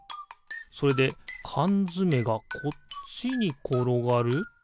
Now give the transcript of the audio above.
それでかんづめがこっちにころがる？